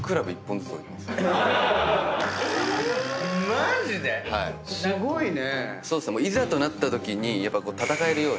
マジで⁉すごいね。